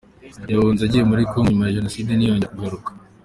Yahunze agiye muri Congo nyuma ya jenoside ntiyongera kugaruka.